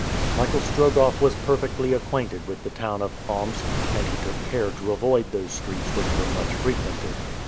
Michael Strogoff was perfectly acquainted with the town of Omsk, and he took care to avoid those streets which were much frequented.